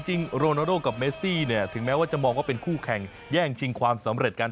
โรนาโดกับเมซี่เนี่ยถึงแม้ว่าจะมองว่าเป็นคู่แข่งแย่งชิงความสำเร็จกัน